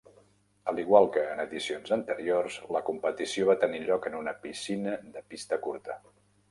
A l'igual que en edicions anteriors, la competició va tenir lloc en una piscina de pista curta.